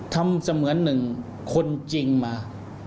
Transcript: ทำเสมือนหนึ่งคนจริงมา